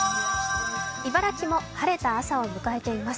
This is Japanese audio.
茨城も晴れた朝を迎えています。